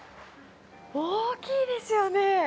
大きいですよね。